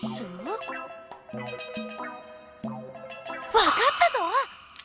わかったぞ！